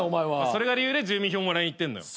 それが理由で住民票もらいに行ってんのよ。